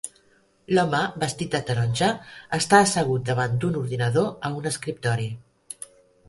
L'home vestit de taronja està assegut davant d'un ordinador a un escriptori.